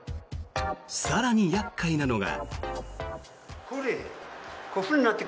更に厄介なのが。